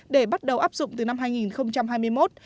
để bắt đầu áp dụng từ năm hai nghìn hai mươi một